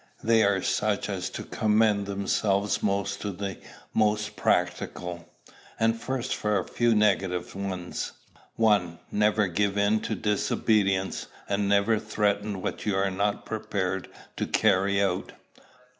They are such as to commend themselves most to the most practical. And first for a few negative ones. 1. Never give in to disobedience; and never threaten what you are not prepared to carry out.